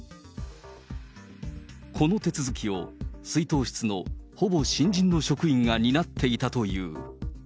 この手続きを出納室のほぼ新人の職員が担っていたという。